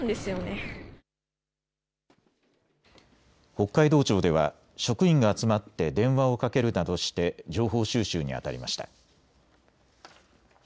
北海道庁では職員が集まって電話をかけるなどして情報収集にあたりました。